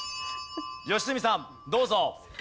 良純さんどうぞ。